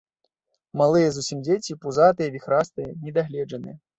Малыя зусім дзеці, пузатыя, віхрастыя, недагледжаныя.